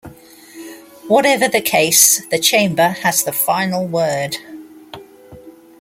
Whatever the case, the Chamber has the final word.